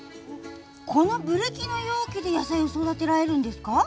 このブリキの容器で野菜を育てられるんですか？